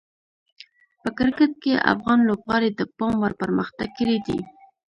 په کرکټ کې افغان لوبغاړي د پام وړ پرمختګ کړی دی.